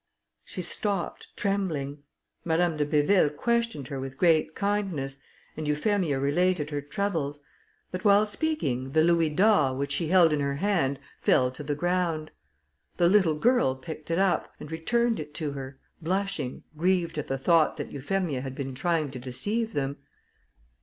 She stopped, trembling. Madame de Béville questioned her with great kindness, and Euphemia related her troubles; but while speaking, the louis d'or, which she held in her hand, fell to the ground. The little girl picked it up, and returned it to her, blushing, grieved at the thought that Euphemia had been trying to deceive them.